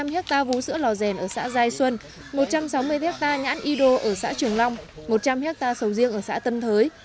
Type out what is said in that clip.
ba trăm linh hectare vú sữa lò rèn ở xã giai xuân một trăm sáu mươi hectare nhãn y đô ở xã trường long một trăm linh hectare sầu riêng ở xã tân thới